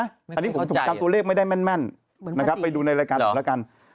อันนี้ผมจำตัวเลขไม่ได้แม่นนะครับไปดูในรายการอีกแล้วกัน